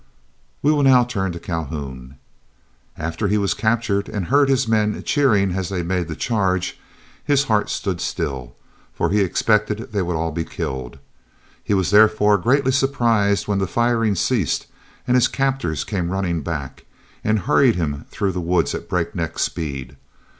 ] We will now turn to Calhoun. After he was captured and heard his men cheering as they made the charge, his heart stood still, for he expected they would all be killed. He was, therefore, greatly surprised when the firing ceased, and his captors came running back, and hurried him through the woods at a break neck speed.